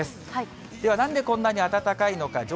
ではなんでこんなに暖かいのか。